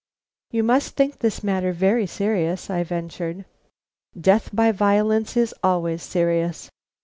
"You must think this matter very serious," I ventured. "Death by violence is always serious."